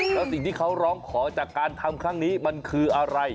แล้วสิ่งที่เขาร้องขอจากการทำครั้งนี้มันคืออะไร